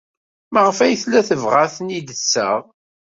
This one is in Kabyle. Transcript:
Maɣef ay tella tebɣa ad ten-id-tseɣ?